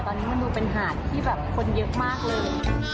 ตอนนี้มันดูเป็นหาดที่แบบคนเยอะมากเลย